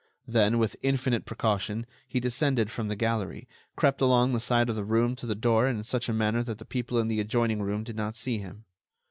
Then, with infinite precaution, he descended from the gallery, crept along the side of the room to the door in such a manner that the people in the adjoining room did not see him.